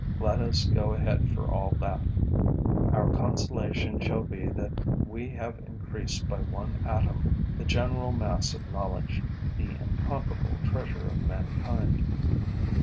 Let us go ahead for all that: our consolation shall be that we have increased by one atom the general mass of knowledge, the incomparable treasure of mankind.